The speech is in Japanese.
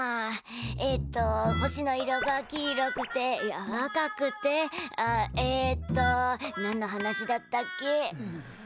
えっと星の色が黄色くていや赤くてあっえっと何の話だったっけ？